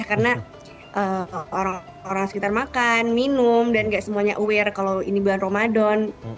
karena orang orang sekitar makan minum dan nggak semuanya aware kalau ini bulan ramadan